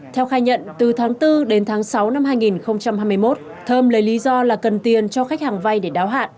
theo khai nhận từ tháng bốn đến tháng sáu năm hai nghìn hai mươi một thơm lấy lý do là cần tiền cho khách hàng vay để đáo hạn